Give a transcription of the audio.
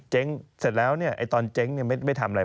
เสร็จแล้วตอนเจ๊งไม่ทำอะไร